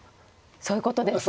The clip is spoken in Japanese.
そういうことですね。